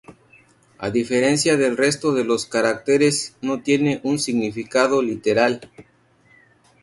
A diferencia del resto de los caracteres, no tiene un significado literal.